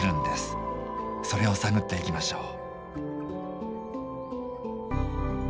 それを探っていきましょう。